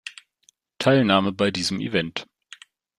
Teilnahme bei diesem Event.